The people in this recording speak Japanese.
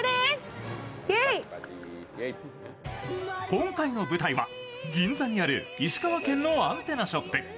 今回の舞台は、銀座にある石川県のアンテナショップ。